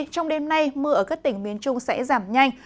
trong đêm nay mưa ở các tỉnh miền trung sẽ giảm nhanh